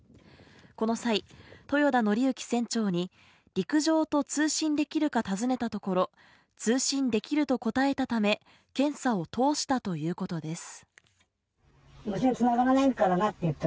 この際、豊田徳幸船長に陸上と通信できるか尋ねたところ通信できると答えたため検査を通したということです。